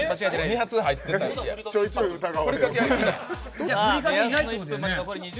ちょいちょい疑う。